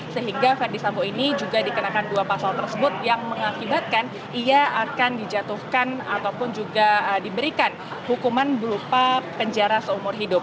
sehingga verdi sambo ini juga dikenakan dua pasal tersebut yang mengakibatkan ia akan dijatuhkan ataupun juga diberikan hukuman berupa penjara seumur hidup